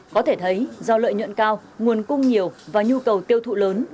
có thể thấy do lợi nhuận cao nguồn cung nhiều và nhu cầu tiêu thụ lớn